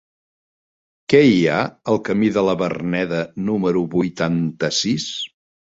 Què hi ha al camí de la Verneda número vuitanta-sis?